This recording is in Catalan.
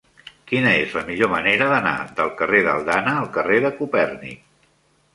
Quina és la millor manera d'anar del carrer d'Aldana al carrer de Copèrnic?